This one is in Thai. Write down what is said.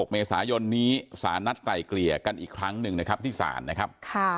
เมษายนนี้สารนัดไกลเกลี่ยกันอีกครั้งหนึ่งนะครับที่ศาลนะครับ